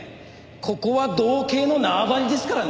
ここは道警の縄張りですからね。